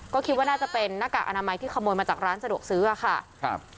ก็คิดว่าน่าจะเป็นหน้ากากอนามัยที่ขโมยมาจากร้านสะดวกซื้ออะค่ะครับ